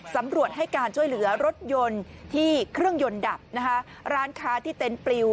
ตำรวจให้การช่วยเหลือรถยนต์ที่เครื่องยนต์ดับนะคะร้านค้าที่เต็นต์ปลิว